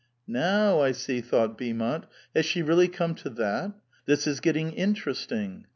*' Now I see/ " thought Beaumont ;" has she really come to that? This is getting interesting.